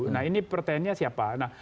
nah ini pertanyaannya siapa